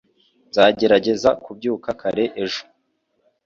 Nzagerageza kubyuka kare ejo